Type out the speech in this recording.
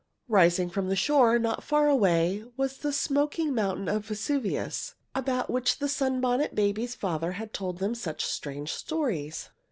Rising from the shore, not far away, was the smoking mountain of Vesuvius, about which the Sunbonnet Babies' father had told them such strange stories.